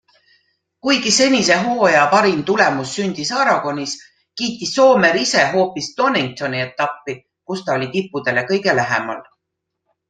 Kuigi senise hooaja parim tulemus sündis Aragonis, kiitis Soomer ise hoopis Doningtoni etappi, kus ta oli tippudele kõige lähemal.